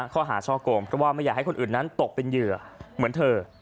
ข้อหาช่อโกงเพราะว่าไม่อยากให้คนอื่นนั้นตกเป็นเหยื่อเหมือนเธอ